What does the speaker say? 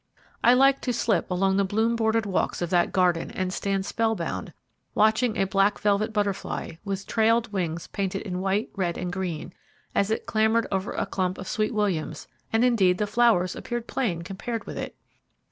I liked to slip along the bloom bordered walks of that garden and stand spell bound, watching a black velvet butterfly, which trailed wings painted in white, red, and green, as it clambered over a clump of sweet williams, and indeed, the flowers appeared plain compared with it!